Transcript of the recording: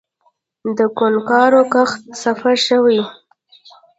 د کوکنارو کښت صفر شوی؟